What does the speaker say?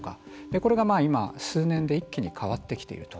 これが今数年で一気に変わってきていると。